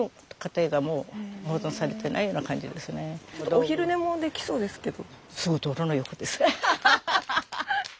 お昼寝もできそうですけど。